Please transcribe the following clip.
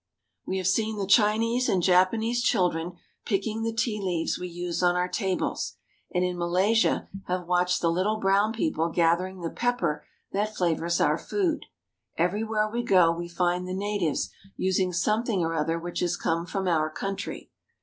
We have seen the Chinese and Japanese children picking the tea leaves we use on our tables, and in Malay sia have watched the little brown people gathering the pepper that flavors our food. Everywhere we go we find the natives using something or other which has come from our country.